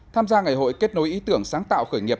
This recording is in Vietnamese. tham gia ngày hội kết nối ý tưởng sáng tạo khởi nghiệp